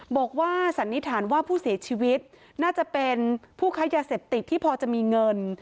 สันนิษฐานว่าผู้เสียชีวิตน่าจะเป็นผู้ค้ายาเสพติดที่พอจะมีเงิน